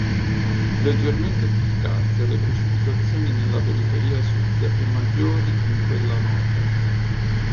Leggermente più scarse le precipitazioni nella periferia sud e maggiori in quella nordest.